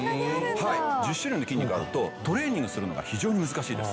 １０種類の筋肉があるとトレーニングするのが非常に難しいです。